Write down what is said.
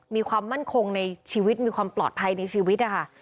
มีความมั่นคงในชีวิตมีความปลอดภัยในชีวิตนะคะ